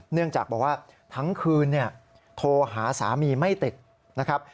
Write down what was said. เนื่องจากบอกว่าทั้งคืนโทรหาสามีไม่ติดนะครับ